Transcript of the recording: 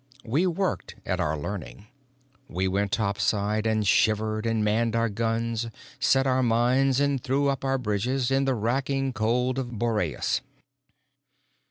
We worked at our learning. We went topside and shivered and manned our guns, set our mines and threw up our bridges, in the racking cold of Boreas.